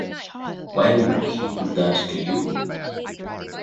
Why would he do that to you?